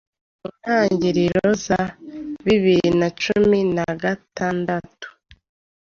mu ntangiriro za bibiri na cumi nagatandatu